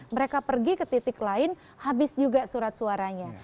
mereka pergi ke titik lain habis juga surat suaranya